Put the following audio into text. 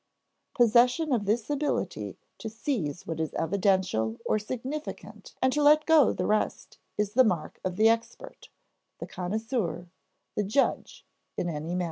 Possession of this ability to seize what is evidential or significant and to let the rest go is the mark of the expert, the connoisseur, the judge, in any matter.